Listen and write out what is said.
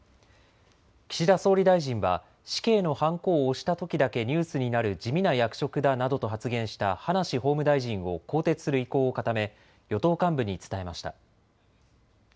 岸田総理大臣は死刑のはんこを押したときだけニュースになる地味な役職だなどと発言した葉梨法務大臣を更迭する意向を固め、与党幹部に伝えました。